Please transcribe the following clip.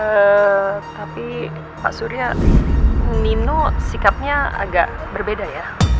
hmm tapi pak surya nino sikapnya agak berbeda ya